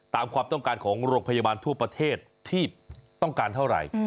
ตามความต้องการของโรงพยาบาลทั่วประเทศที่ต้องการเท่าไหร่